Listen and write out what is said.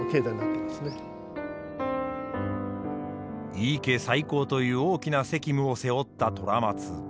井伊家再興という大きな責務を背負った虎松。